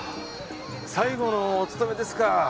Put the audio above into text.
最後のお勤めですか。